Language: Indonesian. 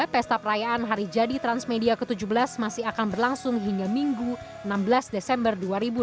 pesta perayaan hari jadi transmedia ke tujuh belas masih akan berlangsung hingga minggu enam belas desember dua ribu delapan belas